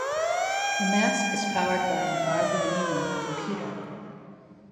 The mask is powered by an Arduino computer.